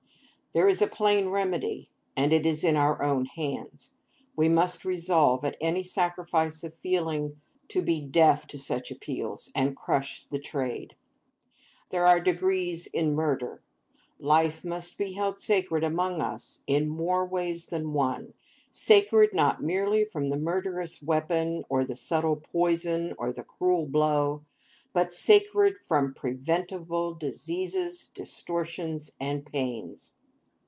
There is a plain remedy, and it is in our own hands. We must resolve, at any sacrifice of feeling, to be deaf to such appeals, and crush the trade. There are degrees in murder. Life must be held sacred among us in more ways than one—sacred, not merely from the murderous weapon, or the subtle poison, or the cruel blow, but sacred from preventible diseases, distortions, and pains.